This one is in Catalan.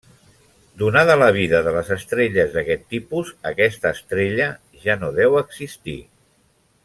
Donada la vida de les estrelles d'aquest tipus, aquesta estrella ja no deu existir.